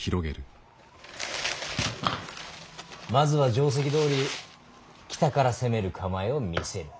まずは定石どおり北から攻める構えを見せる。